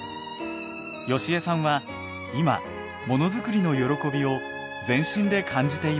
好江さんは今もの作りの喜びを全身で感じています。